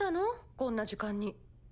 こんな時間に。